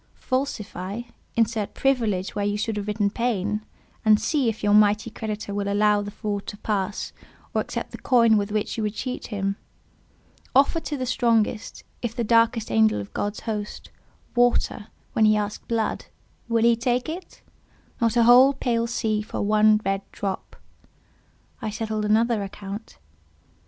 Falsify: insert "privilege" where you should have written "pain;" and see if your mighty creditor will allow the fraud to pass, or accept the coin with which you would cheat him. Offer to the strongest—if the darkest angel of God's host—water, when he has asked blood—will he take it? Not a whole pale sea for one red drop. I settled another account.